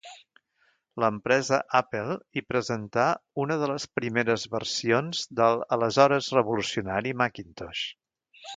L'empresa Apple hi presentà una de les primeres versions de l'aleshores revolucionari Macintosh.